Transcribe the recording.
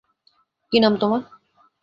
কি নাম তোমার?